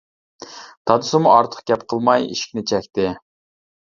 دادىسىمۇ ئارتۇق گەپ قىلماي ئىشىكنى چەكتى.